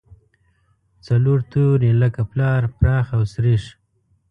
څلور توري لکه پلار، پراخ او سرېښ.